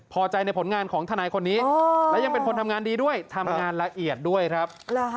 พอใจในผลงานของทนายคนนี้และยังเป็นคนทำงานดีด้วยทำงานละเอียดด้วยครับ